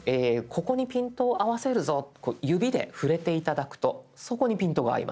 ここにピントを合わせるぞっとこう指で触れて頂くとそこにピントが合います。